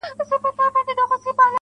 • ټولي دنـيـا سره خــبري كـــوم.